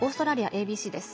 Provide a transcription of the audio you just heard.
ＡＢＣです。